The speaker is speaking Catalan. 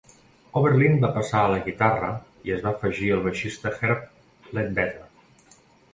Oberlin va passar a la guitarra i es va afegir el baixista Herb Ledbetter.